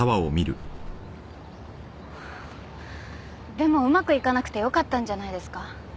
でもうまくいかなくてよかったんじゃないですか？